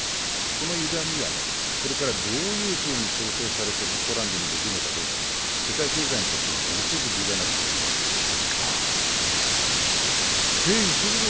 このゆがみがこれからどういうふうに調整されてソフトランディングできるのかどうか、世界経済にとってもものすごく重要なところに来ていますね。